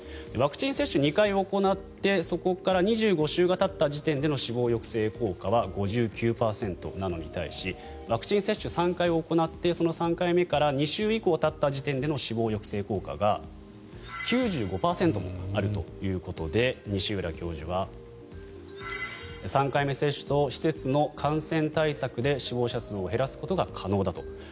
ワクチン接種２回行ってそこから２５週がたった時点での死亡抑制効果は５９％なのに対しワクチン接種３回行ってその３回目から２週以降たった時点での死亡抑制効果が９５％もあるということで西浦教授は３回目接種と施設の感染対策で死亡者数を減らすことが可能だと。